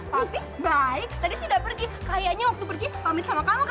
papi baik tadi sih udah pergi kayaknya waktu pergi pamit sama kamu kan